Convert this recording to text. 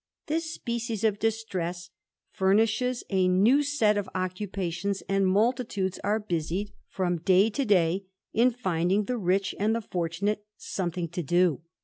This species of distress ftimishes a lew set of occupations; and multitudes are busied, from 19 290 THE IDLER, day to day, in finding the rich and the fortunate something to do.